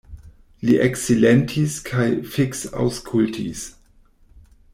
Li eksilentis kaj fiksaŭskultis.